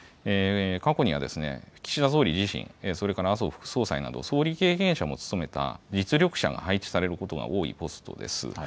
過去には岸田総理自身、それから麻生副総裁など、総理経験者も務めた実力者が配置されることが多いポストです。